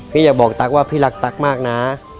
อย่าบอกตั๊กว่าพี่รักตั๊กมากนะ